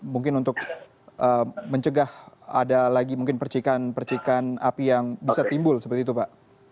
mungkin untuk mencegah ada lagi mungkin percikan percikan api yang bisa timbul seperti itu pak